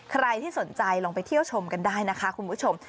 ใครที่สนใจลองไปเที่ยวชมกันได้นะคะคุณผู้ชม